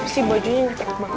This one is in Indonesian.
si bajunya ngerti banget